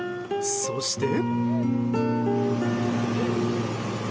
そして。